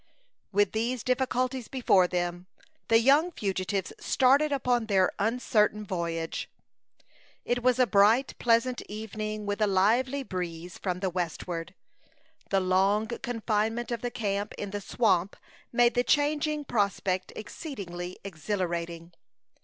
With these difficulties before them, the young fugitives started upon their uncertain voyage. It was a bright, pleasant evening, with a lively breeze from the westward. The long confinement of the camp in the swamp made the changing prospect exceedingly exhilarating.